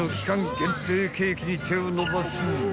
限定ケーキに手を伸ばす］